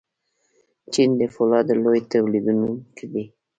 چین د فولادو لوی تولیدونکی دی.